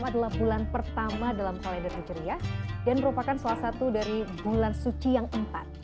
dan merupakan salah satu dari bulan suci yang empat